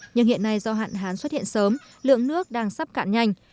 nhưng hiện nay do hạn hán xuất hiện sớm lượng nước đang sắp cạn nhanh